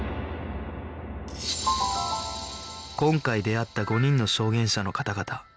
今回出会った５人の証言者の方々